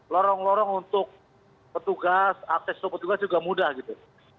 lorong lorong untuk petugas akses ke petugas juga mudah gitu